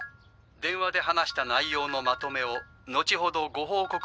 電話で話した内容のまとめを後ほどご報告いたしますか？